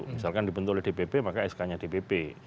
misalkan dibentuk oleh dpp maka sk nya dpp